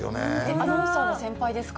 アナウンサーの先輩ですか？